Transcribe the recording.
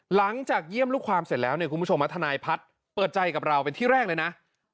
หลังจากเยี่ยมลูกความเสร็จแล้วเนี่ยคุณผู้ชมทนายพัฒน์เปิดใจกับเราเป็นที่แรกเลยนะ